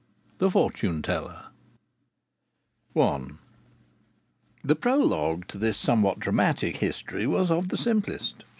THE FORTUNE TELLER I The prologue to this somewhat dramatic history was of the simplest.